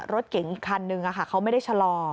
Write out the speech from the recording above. รถเก๋งอีกคันนึงเขาไม่ได้ชะลอ